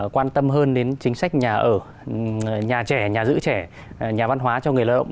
quan tâm hơn đến chính sách nhà ở nhà trẻ nhà giữ trẻ nhà văn hóa cho người lao động